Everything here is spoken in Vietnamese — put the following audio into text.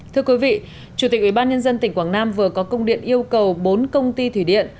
thưa quý vị chủ tịch ubnd tỉnh quảng nam vừa có công điện yêu cầu bốn công ty thủy điện